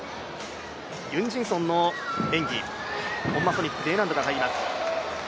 ユン・ジンソンの演技、ホンマソニック、Ｄ難度が入ります。